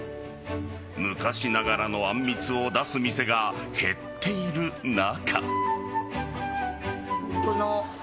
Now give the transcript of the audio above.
昔ながらのあんみつを出す店が減っている中。